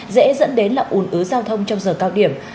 dễ dẫn đến là ủn ứ giao thông trong giờ cao điểm